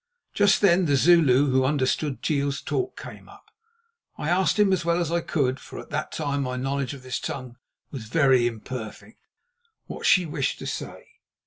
Just then the Zulu who understood Jeel's talk came up. I asked him as well as I could, for at that time my knowledge of his tongue was very imperfect, what she wished to say.